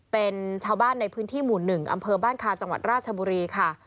เป็นชาวบ้านในพื้นที่หมู่๑อำเภอบ้านคาจังหวัดราชบุรีค่ะ